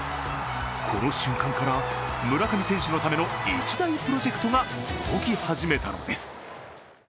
この瞬間から、村上選手のための一大プロジェクトが動き始めたのです。